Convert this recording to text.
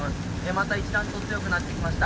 また一段と強くなってきました。